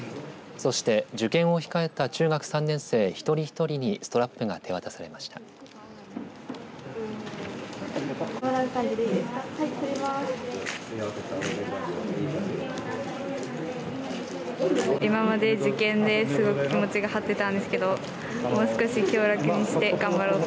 そして、受験を控えた中学３年生一人一人にストラップが手渡されました。